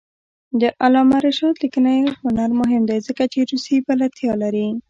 د علامه رشاد لیکنی هنر مهم دی ځکه چې روسي بلدتیا لري.